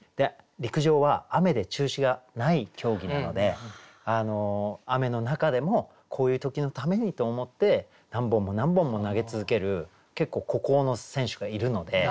陸上は雨で中止がない競技なので雨の中でもこういう時のためにと思って何本も何本も投げ続ける結構孤高の選手がいるので。